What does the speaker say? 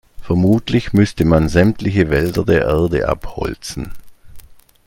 Vermutlich müsste man sämtliche Wälder der Erde abholzen.